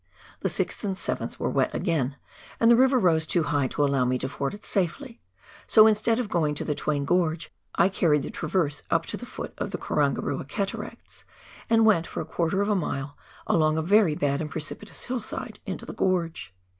The 6th and 7th were again wet, and the river rose too high to allow me to ford it safely ; so, instead of going to the Twain Gorge, I carried the traverse up to the foot of the Karangarua Cataracts, and went, for a quarter of a mile, along a very bad and precipitous hillside, into the gorge.